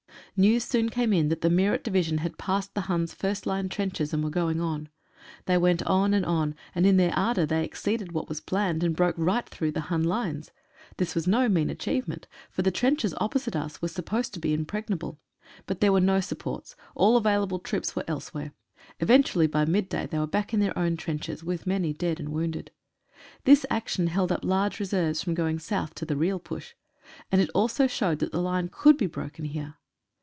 News soon came in that the Meerut Division had passed the Huns' first line trenches and were going on. They went on and on, and in their ardour they exceeded what was planned, and broke right through the Hun lines. This was no mean achievement, for the trenches opposite us were supposed to be impregnable. But there were no supports, all available troops were else where. Eventually, by midday, they were back in their own trenches with many dead and wounded. This action held up large reserves from going south to the real push, and it also showed that the line could be broken here.